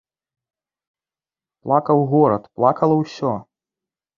Плакаў горад, плакала ўсё.